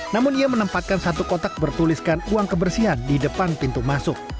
namun ia menempatkan satu kotak bertuliskan uang kebersihan di depan pintu masuk